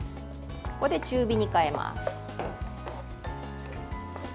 ここで中火に変えます。